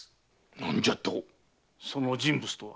何じゃと⁉その人物とは？